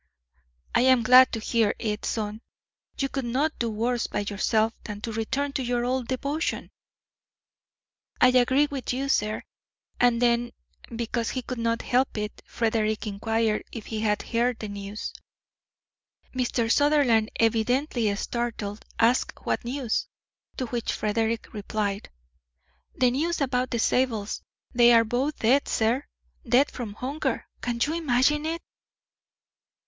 "I am glad to hear it, my son. You could not do worse by yourself than to return to your old devotion." "I agree with you, sir." And then, because he could not help it, Frederick inquired if he had heard the news. Mr. Sutherland, evidently startled, asked what news; to which Frederick replied: "The news about the Zabels. They are both dead, sir, dead from hunger. Can you imagine it!"